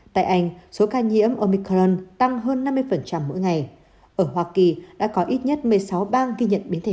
tại anh số ca nhiễm omicron tăng hơn năm mươi mỗi ngày ở hoa kỳ đã có ít nhất một mươi sáu bang ghi nhận biến thể